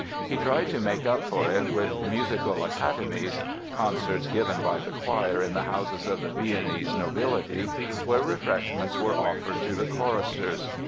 He tried to make up for it with the musical 'academies' (concerts given by the choir in the houses of the Viennese nobility), where refreshments were offered to the choristers.